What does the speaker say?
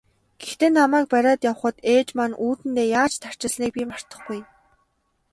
Гэхдээ намайг бариад явахад ээж маань үүдэндээ яаж тарчилсныг би мартахгүй.